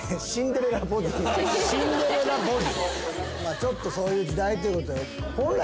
ちょっとそういう時代ということで。